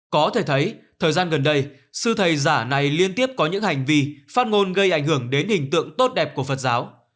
có thể thấy thời gian gần đây sư thầy giả này liên tiếp có những hành vi phát ngôn gây ảnh hưởng đến hình tượng tốt đẹp của phật giáo